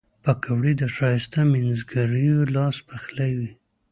پکورې د ښایسته مینځګړیو لاس پخلي وي